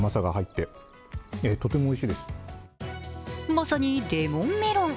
まさにレモンメロン。